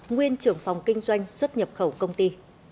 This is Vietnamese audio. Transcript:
nguyên trưởng phòng kinh doanh xuất nhập khẩu công ty